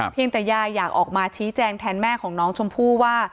ยังแต่ยายอยากออกมาชี้แจงแทนแม่ของน้องชมพู่ว่า